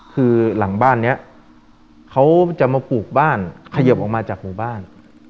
คือหลังบ้านนี้เขาจะมาปลูกบ้านเขยิบออกมาจากหมู่บ้าน